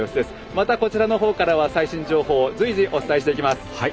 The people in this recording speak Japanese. また、こちらの方からは最新情報を随時、お伝えします。